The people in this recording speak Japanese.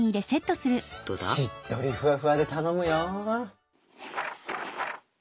しっとりふわふわで頼むよ。